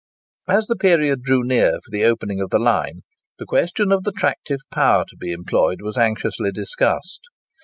As the period drew near for the opening of the line, the question of the tractive power to be employed was anxiously discussed.